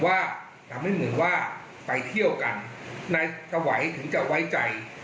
ว่าทำให้เหมือนว่าไปเที่ยวกันนายสวัยถึงจะไว้ใจ